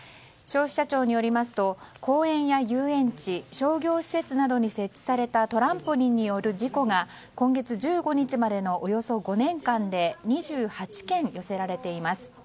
消費者庁によりますと公園や遊園地商業施設などに設置されたトランポリンによる事故が今月１５日までのおよそ５年間で２８件寄せられています。